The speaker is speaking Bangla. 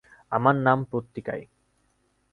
আমার নাম পত্রিকায়।